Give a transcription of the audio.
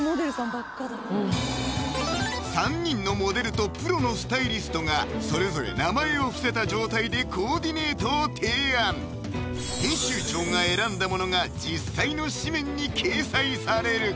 ばっかだ３人のモデルとプロのスタイリストがそれぞれ名前を伏せた状態でコーディネートを提案編集長が選んだものが実際の誌面に掲載される